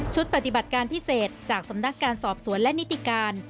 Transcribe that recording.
ปฏิบัติการพิเศษจากสำนักการสอบสวนและนิติการ